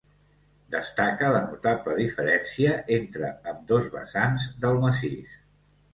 Destaca la notable diferència entre ambdós vessants del massís.